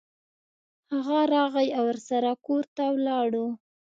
هغه راغی او ورسره کور ته ولاړو.